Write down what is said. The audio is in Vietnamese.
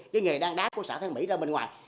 cái nghề đang đá của xã thang mỹ ra bên ngoài